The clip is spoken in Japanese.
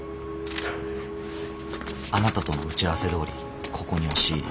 あなたとの打ち合わせどおりここに押し入り。